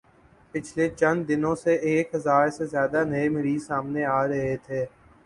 پچھلے چند دنو ں سے ایک ہزار سے زیادہ نئے مریض سامنے آرہے تھے